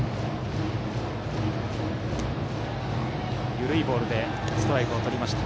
緩いボールでストライクをとりました。